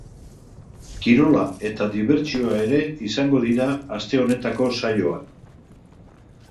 Kirola eta dibertsioa ere izango dira aste honetako saioan.